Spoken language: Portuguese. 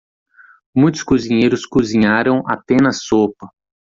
Muitos cozinheiros cozinharam apenas sopa.